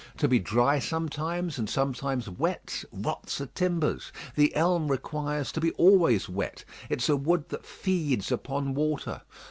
To be dry sometimes, and sometimes wet, rots the timbers; the elm requires to be always wet; it's a wood that feeds upon water.